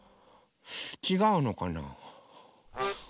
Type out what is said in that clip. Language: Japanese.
ちがうのかな。